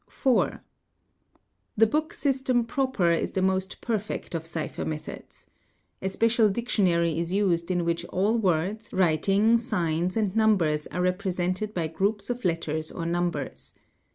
606 CIPHERS 4. The book system proper is the most perfect of cipher methods. — A special dictionary is used in which all words, writing, signs, and numbers are represented by groups of letters or numbers.